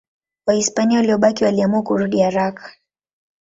Wahispania waliobaki waliamua kurudi haraka.